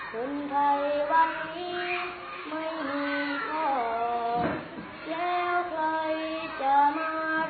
เป็นวันที่เจียวใจไม่มีวันลืม